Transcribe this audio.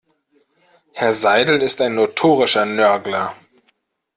Herr Seidel ist ein notorischer Nörgler.